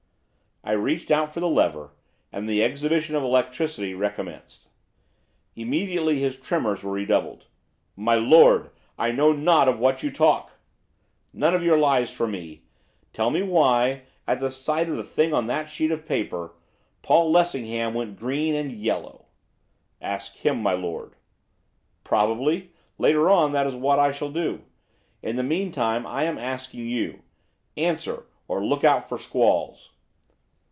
I reached out for the lever, and the exhibition of electricity recommenced. Immediately his tremors were redoubled. 'My lord, I know not of what you talk.' 'None of your lies for me. Tell me why, at the sight of the thing on that sheet of paper, Paul Lessingham went green and yellow.' 'Ask him, my lord.' 'Probably, later on, that is what I shall do. In the meantime, I am asking you. Answer, or look out for squalls.